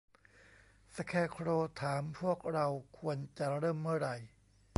สแคร์โคร์วถามพวกเราควรจะเริ่มเมื่อไหร่